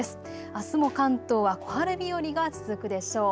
あすも関東は小春日和が続くでしょう。